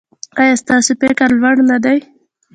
ایا ستاسو فکر لوړ نه دی؟